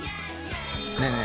ねえねえ。